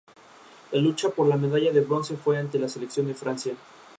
La lucha por la medalla de bronce fue ante la selección de Francia.